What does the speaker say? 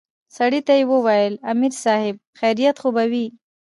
سړي ته يې وويل امر صايب خيريت خو به وي.